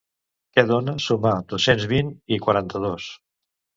Què dona sumar dos-cents vint i quaranta-dos?